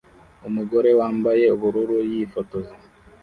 Umugore wambaye ubururu yifotoza